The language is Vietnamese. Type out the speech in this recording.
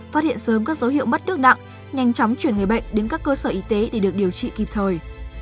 phát hiện sớm các dấu hiệu mất nước nặng nhanh chóng chuyển người bệnh đến các cơ sở y tế để được điều trị kịp thời